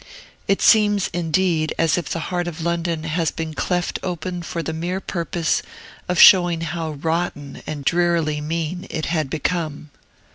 It seems, indeed, as if the heart of London had been cleft open for the mere purpose of showing how rotten and drearily mean it had become.